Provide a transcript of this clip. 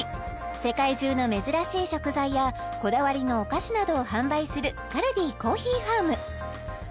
世界中の珍しい食材やこだわりのお菓子などを販売するカルディコーヒーファーム